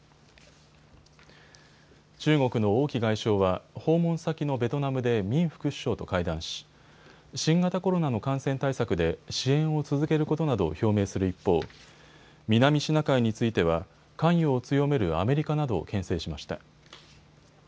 中国の王毅外相は訪問先のベトナムでミン副首相と会談し新型コロナの感染対策で支援を続けることなどを表明する一方、南シナ海については関与を強めるアメリカなどをけん制しました。